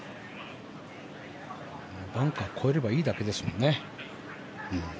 バンカーを越えればいいだけですもんね。